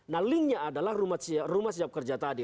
nah linknya adalah rumah siap kerja tadi